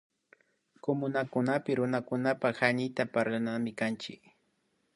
Kumunakunapik Runakunapak Hañiyta parlana kanchik